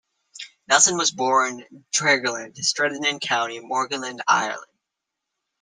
Nelson was born Deraghland, Stranooden, County Monaghan, Ireland.